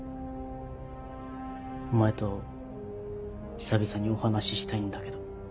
お前と久々にお話したいんだけど。